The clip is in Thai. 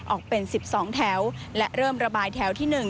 ออกเป็นสิบสองแถวและเริ่มระบายแถวที่หนึ่ง